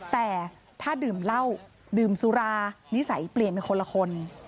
แต่ถ้าดื่มเหล้าดื่มสุรานิสัยเปลี่ยนเป็นคนละคน